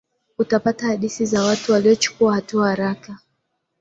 utapata hadithi za watu waliyochukua hatua haraka